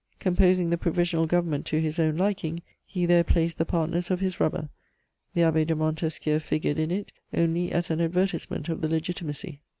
Composing the Provisional Government to his own liking, he there placed the partners of his rubber: the Abbé de Montesquiou figured in it only as an advertisement of the Legitimacy.